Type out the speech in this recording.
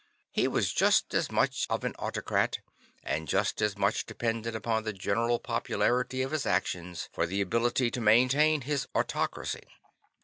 He was just as much of an autocrat, and just as much dependent upon the general popularity of his actions for the ability to maintain his autocracy.